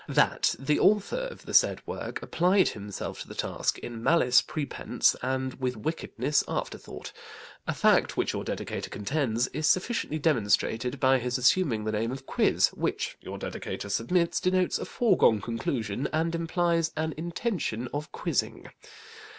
THAT the author of the said work applied himself to his task in malice prepense and with wickedness aforethought; a fact which, your Dedicator contends, is sufficiently demonstrated, by his assuming the name of Quiz, which, your Dedicator submits, denotes a foregone conclusion, and implies an intention of quizzing.